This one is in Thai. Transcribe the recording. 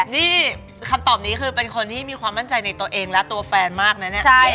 นี่คำตอบนี้คือเป็นคนที่มีความมั่นใจในตัวเองและตัวแฟนมากนะเนี่ย